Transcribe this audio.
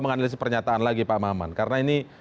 menganalisis pernyataan lagi pak maman karena ini